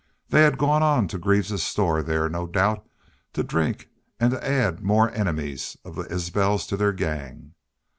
They had gone on to Greaves's store, there, no doubt, to drink and to add more enemies of the Isbels to their gang.